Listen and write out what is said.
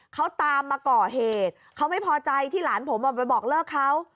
เขาตามมาก่อเหตุเขาไม่พอใจที่หลานผมออกไปบอกเลิกเขา